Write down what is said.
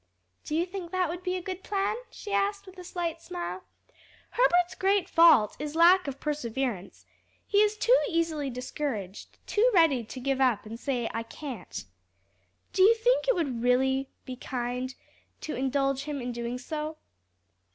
"Do you think that would be a good plan?" she asked with a slight smile. "Herbert's great fault is lack of perseverance; he is too easily discouraged, too ready to give up and say 'I can't.' Do you think it would be really kind to indulge him in doing so?"